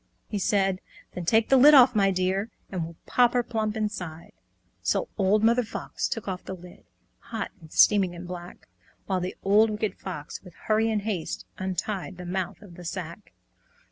He said, "Then take the lid off, my dear, And we'll pop her plump inside!" So Old Mother Fox took off the lid, Hot and steaming and black, While the Wicked Old Fox, with hurry and haste, Untied the mouth of the sack.